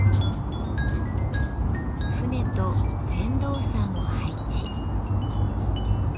船と船頭さんを配置。